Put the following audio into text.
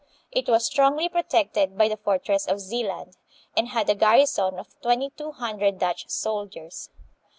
It was strongly protected by the fortress of Zealand, and had a garrison of twenty two hundred Dutch soldiers.